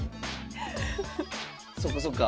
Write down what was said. そっかそっか。